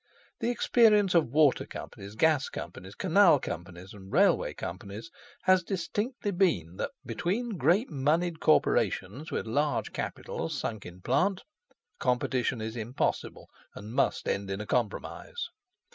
The experience of water companies, gas companies, canal companies, and railway companies, has distinctly been, that, between great monied corporations with large capitals sunk in plant, competition is impossible and must end in a compromise.